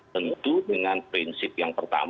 tentu dengan prinsip yang pertama